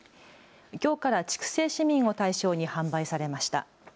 きょうから筑西市民を対象に販売されました。